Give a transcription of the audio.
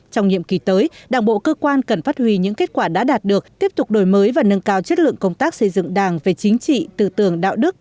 trong nhiệm kỳ tới đảng bộ cơ quan cần phát huy những kết quả đã đạt được tiếp tục đổi mới và nâng cao chất lượng công tác xây dựng đảng về chính trị tư tưởng đạo đức